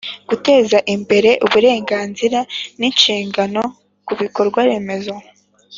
Guteza imbere uburenganzira n inshingano ku bikorwaremezo